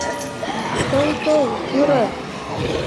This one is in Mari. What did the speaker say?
Тол, тол, пӱрӧ!